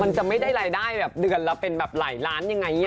มันจะไม่ได้รายได้แบบเดือนละเป็นแบบหลายล้านยังไง